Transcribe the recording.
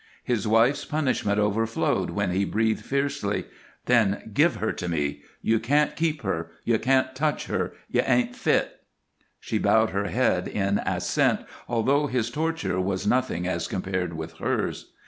His wife's punishment overflowed when he breathed, fiercely: "Then give her to me. You can't keep her. You can't touch her. You ain't fit." She bowed her head in assent, although his torture was nothing as compared with hers.